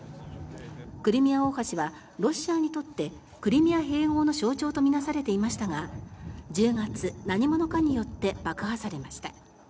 クリミア大橋はロシアにとってクリミア併合の象徴と見なされていましたが１０月、何者かによって爆破されました。